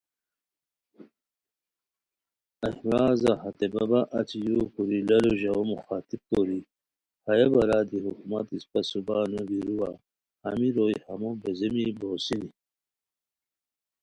ایہہ وارزا ہتے بابا اچی یُو کوری لالو ژاؤ مخاطب کوری، ہیہ بارا دی حکومت اسپہ صوبہ نوگیرو وا، ہمی روئے ہمو بیزیمی بوغیسینی